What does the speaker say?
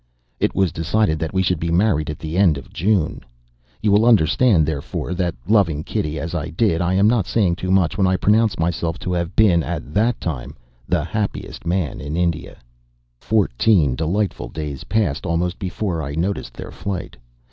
It was decided that we should be married at the end of June. You will understand, therefore, that, loving Kitty as I did, I am not saying too much when I pronounce myself to have been, at that time, the happiest man in India. Fourteen delightful days passed almost before I noticed their flight.